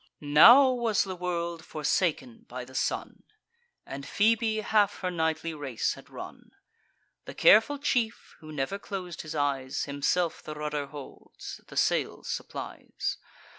Now was the world forsaken by the sun, And Phoebe half her nightly race had run. The careful chief, who never clos'd his eyes, Himself the rudder holds, the sails supplies.